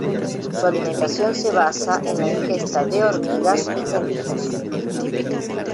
Su alimentación se basa en la ingesta de hormigas y termitas.